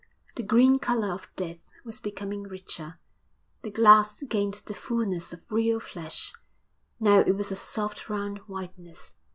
The green colour of death was becoming richer, the glass gained the fulness of real flesh; now it was a soft round whiteness.